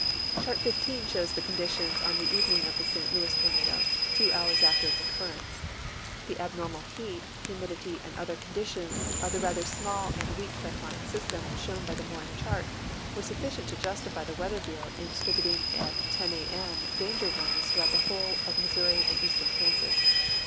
Chart XV shows the conditions on the evening of the St Louis tornado, two hours after its occurrence. The abnormal heat, humidity, and other conditions of the rather small and weak cyclonic system shown by the morning chart were suflicient to justify the Weather Bureau in distributing at 10 a. m. danger w^arnings throughout the whole of Missouri and eastern Kansas.